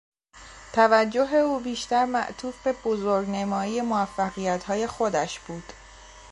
توجه او بیشتر معطوف به بزرگ نمایی موفقیت های خودش بود.